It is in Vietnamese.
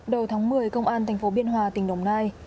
đầu tháng một mươi công an thành phố biên hòa tỉnh đồng nai